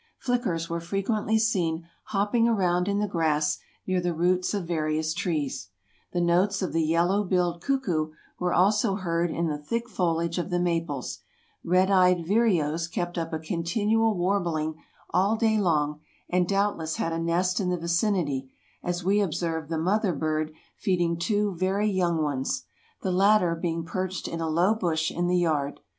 Flickers were frequently seen hopping around in the grass near the roots of various trees; the notes of the yellow billed cuckoo were also heard in the thick foliage of the maples: redeyed vireos kept up a continual warbling all day long and doubtless had a nest in the vicinity, as we observed the mother bird feeding two very young ones; the latter being perched in a low bush in the yard.